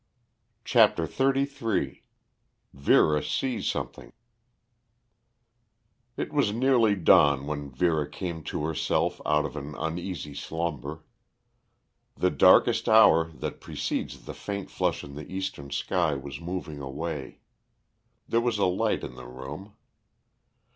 CHAPTER XXXIII VERA SEES SOMETHING It was nearing dawn when Vera came to herself out of an uneasy slumber. The darkest hour that precedes the faint flush in the eastern sky was moving away. There was a light in the room.